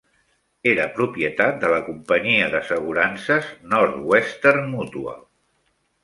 Era propietat de la companyia d'assegurances Northwestern Mutual.